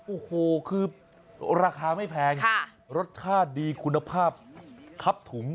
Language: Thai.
โอ้โหคือราคาไม่แพงรสชาติดีคุณภาพคับถุง